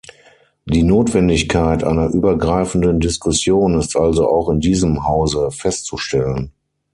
Die Notwendigkeit einer übergreifenden Diskussion ist also auch in diesem Hause festzustellen.